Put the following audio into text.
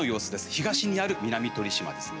東にある南鳥島ですね。